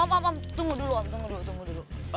om om om tunggu dulu om tunggu dulu